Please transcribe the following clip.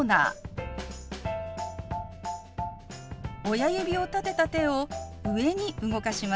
親指を立てた手を上に動かします。